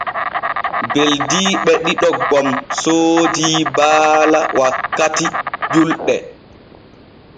Beldiiɓe ɗiɗo gom soodii baala wakkati julɗe.